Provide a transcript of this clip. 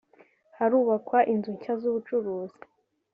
harubakwa inzu nshya z’ubucuruzi